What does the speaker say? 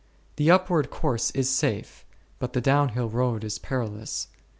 The upward course is safe, but the down hill road is perilous.